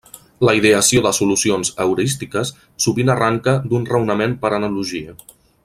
La ideació de solucions heurístiques sovint arranca d'un raonament per analogia.